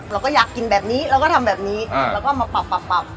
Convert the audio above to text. เราก็อยากกินแบบนี้เราก็ทำแบบนี้แล้วก็มาปรับ